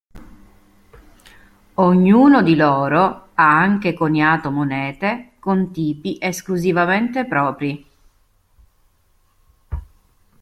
Ognuno di loro ha anche coniato monete con tipi esclusivamente propri.